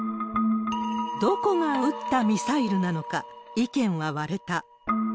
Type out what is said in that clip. どこが撃ったミサイルなのか、意見は割れた。